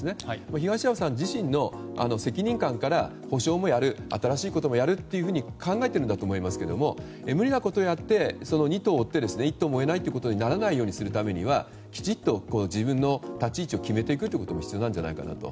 東山さん自身の責任感から補償もやる新しいこともやるというふうに考えているんだと思いますが無理なことをやって二兎を追って一兎も得ないということにならないようにするためにはきちんと自分の立ち位置を決めていくことが必要なんじゃないかと。